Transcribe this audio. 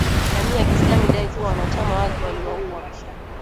Jamii ya Kiislamu ilidai kuwa wanachama wake waliwauwa